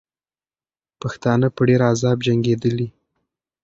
پښتانه په ډېر عذاب جنګېدلې.